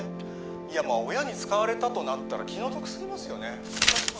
いやもう親に使われたとなったら気の毒すぎますよね